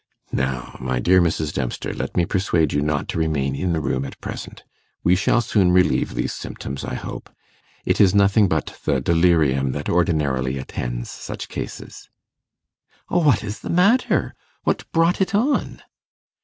'Now, my dear Mrs. Dempster, let me persuade you not to remain in the room at present. We shall soon relieve these symptoms, I hope: it is nothing but the delirium that ordinarily attends such cases.' 'Oh, what is the matter? what brought it on?